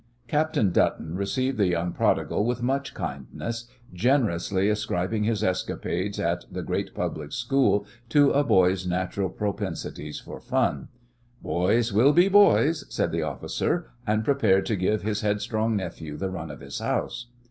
Captain Dutton received the young prodigal with much kindness, generously ascribing his escapades at the great public school to a boy's natural propensities for fun. "Boys will be boys," said the officer, and prepared to give his headstrong nephew the run of his house.